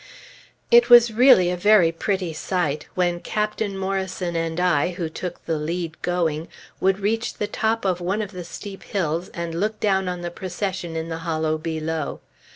It was really a very pretty sight, when Captain Morrison and I, who took the lead going, would reach the top of one of the steep hills and look down on the procession in the hollow below.